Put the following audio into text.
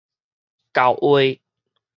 厚話